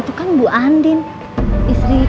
itu kan bu andin istri ahli barang